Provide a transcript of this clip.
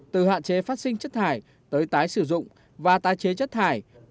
từ hạn chế phát sinh chất thải tới tái sử dụng và tái chế chất thải